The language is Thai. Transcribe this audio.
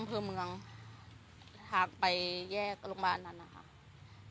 อำเภอเมืองทางไปแยกโรงพยาบาลอันนั้นนะครับ